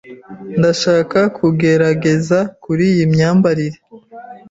Ndashaka kugerageza kuri iyi myambarire.